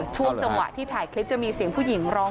ช่วงจังหวะที่ถ่ายคลิปจะมีเสียงผู้หญิงร้อง